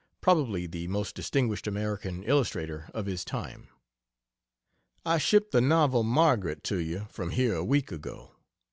Probably the most distinguished American illustrator of his time.] work. I shipped the novel ("Margaret") to you from here a week ago.